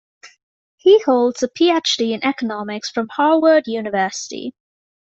He holds a Ph.D. in economics from Harvard University.